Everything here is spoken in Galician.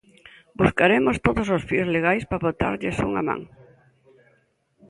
Buscaremos todos os fíos legais para botarlles unha man.